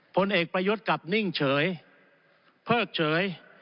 ผลเอกประยุทธ์กลับนิ่งเฉยเพิกเฉย